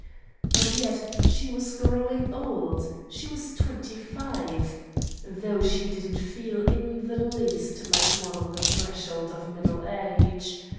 And yet she was growing old, she was twenty five! Though she didn't feel in the least like one on the threshold of middle age.